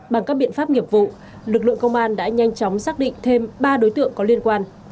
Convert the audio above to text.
bằng các biện pháp nghiệp vụ lực lượng công an đã nhanh chóng xác định thêm ba đối tượng có liên quan